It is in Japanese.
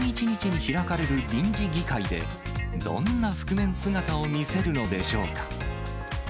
１１日に開かれる臨時議会で、どんな覆面姿を見せるのでしょうか。